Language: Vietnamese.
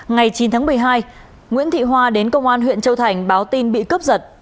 ngày chín tháng một mươi hai nguyễn thị hoa đến công an huyện châu thành báo tin bị cướp giật